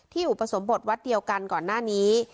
อุปสมบทวัดเดียวกันก่อนหน้านี้